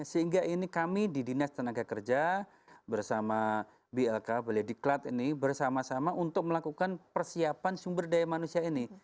sehingga ini kami di dinas tenaga kerja bersama blk belidiklat ini bersama sama untuk melakukan persiapan sumber daya manusia ini